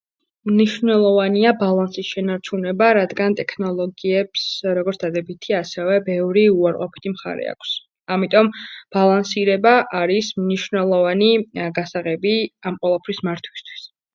მნიშვნელოვანია ბალანსის შენარჩუნება, რადგან ტექნოლოგიებს, როგორც დადებითი, ასევე ბევრი უარყოფითი მხარე აქვს, ამიტომ ბალანსირება არის მნიშვნელოვანი.. აა... გასაღები ამ ყველაფრის მართვისთვის.